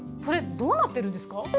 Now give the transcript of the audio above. これどうなってるんですか？